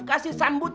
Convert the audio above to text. bukul enam gak buk